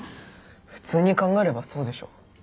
普通に考えればそうでしょ。